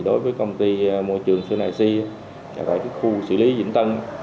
đối với công ty môi trường sơn ai si khu xử lý vĩnh tân